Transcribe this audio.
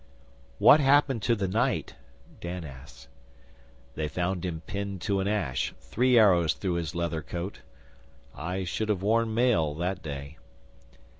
'What happened to the knight?' Dan asked. 'They found him pinned to an ash, three arrows through his leather coat. I should have worn mail that day.